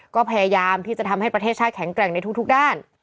ก็พยายามที่จะทำให้ประเทศชาติแข็งแกร่งในทุกด้าน